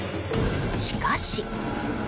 しかし。